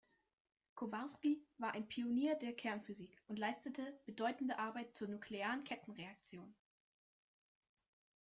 Kowarski war ein Pionier der Kernphysik und leistete bedeutende Arbeiten zur nuklearen Kettenreaktion.